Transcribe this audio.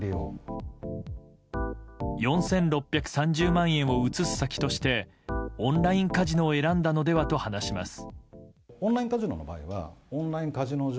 ４６３０万円を移す先としてオンラインカジノを選んだのではと話します。